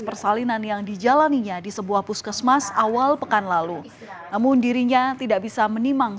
persalinan yang dijalaninya di sebuah puskesmas awal pekan lalu namun dirinya tidak bisa menimang